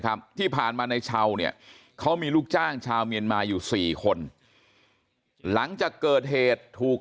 ที่ผ่านมาในเช้าเนี่ยเขามีลูกจ้างชาวเมียนมาอยู่สี่คนหลังจากเกิดเหตุถูก